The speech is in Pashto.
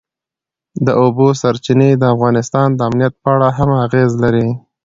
د اوبو سرچینې د افغانستان د امنیت په اړه هم اغېز لري.